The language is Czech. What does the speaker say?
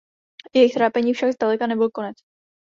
Jejich trápení však zdaleka nebyl konec.